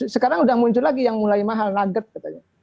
sekarang sudah muncul lagi yang mulai mahal nugget katanya